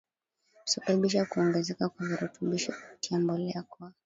husababisha kuongezeka kwa virutubishi kupitia mbolea kwa